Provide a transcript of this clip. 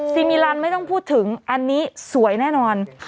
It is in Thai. ซีมิลันไม่ต้องพูดถึงอันนี้สวยแน่นอน